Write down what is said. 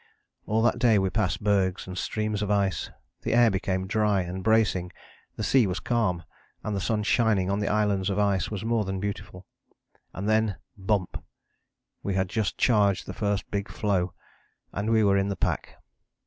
All that day we passed bergs and streams of ice. The air became dry and bracing, the sea was calm, and the sun shining on the islands of ice was more than beautiful. And then Bump! We had just charged the first big floe, and we were in the pack.